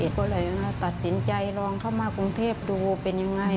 ก็เลยตัดสินใจลองเข้ามากรุงเทพดูเป็นยังไง